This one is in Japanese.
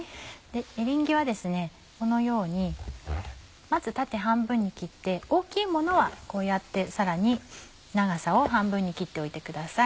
エリンギはこのようにまず縦半分に切って大きいものはこうやってさらに長さを半分に切っておいてください。